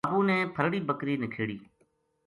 بابو نے پھرڑی بکری نکھیڑی